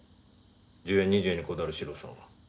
１０円２０円にこだわるシロさんが。